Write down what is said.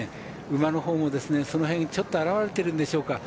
馬のほうもその辺ちょっと現れてるんでしょうか。